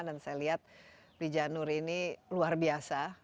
dan saya lihat bli janur ini luar biasa